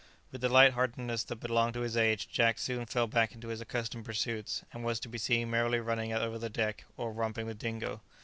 With the light heartedness that belonged to his age, Jack soon fell back into his accustomed pursuits, and was to be seen merrily running over the deck or romping with Dingo.